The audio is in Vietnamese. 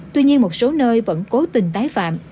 tuy nhiên một số nơi vẫn cố tình tái phạm